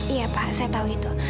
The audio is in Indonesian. iya pak saya tahu itu